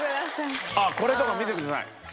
あっこれとか見てください。